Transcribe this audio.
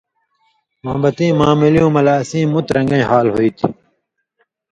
موحبتِیں معاملیُوں مہ لہ اسیں مُتیۡ رن٘گَیں حال ہُوئ تھی۔